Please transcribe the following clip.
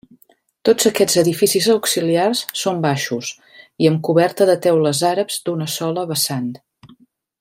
Tots aquests edificis auxiliars són baixos i amb coberta de teules àrabs d'una sola vessant.